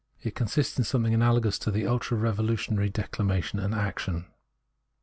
It consists in something analogous to ultra revolution ary declamation and action.